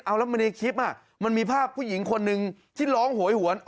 เอาแล้วในคลิปมันมีภาพผู้หญิงคนหนึ่งที่ร้องโหยหวน